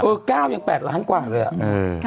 เออก้าวยังแปดล้านห้างกว่าเลยอ่ะเออ